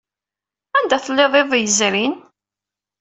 Anda ay telliḍ iḍ yezrin?